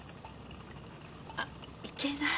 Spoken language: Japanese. あいけない。